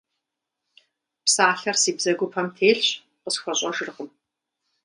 Псалъэр си бзэгупэм телъщ, къысхуэщӏэжыркъым.